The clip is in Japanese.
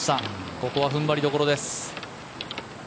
ここは踏ん張りどころです。